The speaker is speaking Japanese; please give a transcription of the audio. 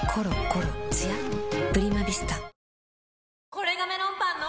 これがメロンパンの！